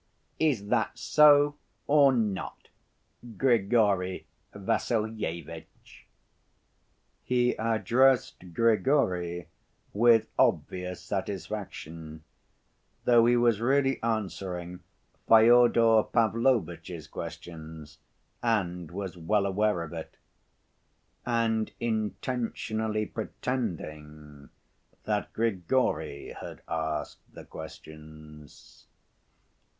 Is that so or not, Grigory Vassilyevitch?" He addressed Grigory with obvious satisfaction, though he was really answering Fyodor Pavlovitch's questions, and was well aware of it, and intentionally pretending that Grigory had asked the questions.